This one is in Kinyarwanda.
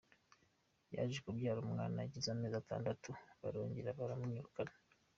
Yaje kubyara, umwana agize amezi atandatu barongera baramwirukana.